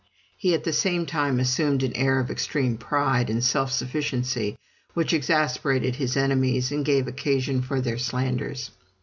He at the same time assumed an air of extreme pride and self sufficiency, which exasperated his enemies and gave occasion for their slanders.